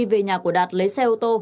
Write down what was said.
về nhà của đạt lấy xe ô tô